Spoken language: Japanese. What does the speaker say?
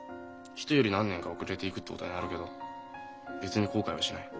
人より何年か遅れて行くってことになるけど別に後悔はしない。